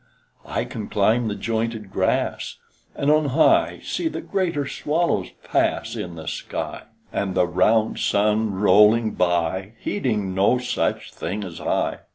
I can climb the jointed grass; And on high See the greater swallows pass In the sky, And the round sun rolling by Heeding no such thing as I.